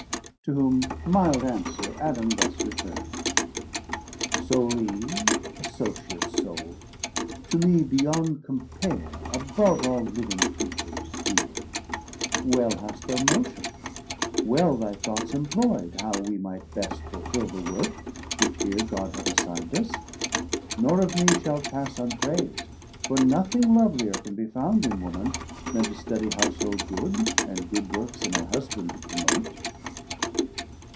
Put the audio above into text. To whom mild answer Adam thus return'd. Sole Eve, Associate sole, to me beyond Compare above all living Creatures deare, Well hast thou motion'd, wel thy thoughts imployd How we might best fulfill the work which here 230 God hath assign'd us, nor of me shalt pass Unprais'd: for nothing lovelier can be found In woman, then to studie houshold good, And good workes in her Husband to promote.